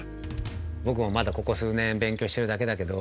◆僕もまだここ数年勉強してるだけだけど。